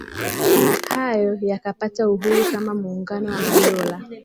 hayo yakapata uhuru kama Muungano wa Madola